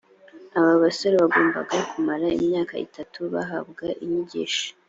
abo basore bagombaga kumara imyaka itatu bahabwa inyigisho